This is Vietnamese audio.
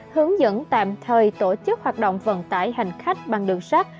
hướng dẫn tạm thời tổ chức hoạt động vận tải hành khách bằng đường sắt